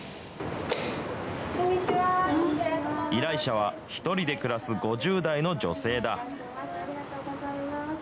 依頼者は、１人で暮らす５０代の女性だ。